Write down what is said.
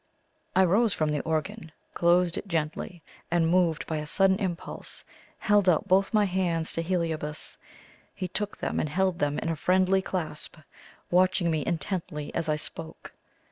I rose from the organ, closed it gently, and, moved by a sudden impulse, held out both my hands to Heliobas. He took them and held them in a friendly clasp, watching me intently as I spoke.